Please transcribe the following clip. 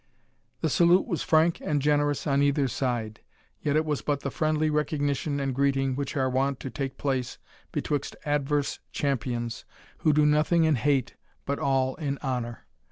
The salute was frank and generous on either side, yet it was but the friendly recognition and greeting which are wont to take place betwixt adverse champions, who do nothing in hate but all in honour.